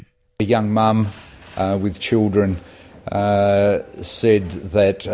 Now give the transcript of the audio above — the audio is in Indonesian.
seorang ibu yang muda dengan anak anak